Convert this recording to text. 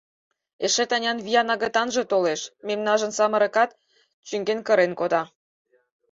Эше Танян виян агытанже толеш, мемнажын самырыкат, чӱҥген-кырен кода.